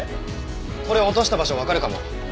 これ落とした場所わかるかも。